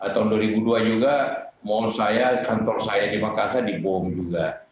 tahun dua ribu dua juga mal saya kantor saya di makassar dibom juga